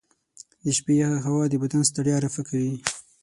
د شپې یخه هوا د بدن ستړیا رفع کوي.